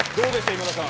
今田さん。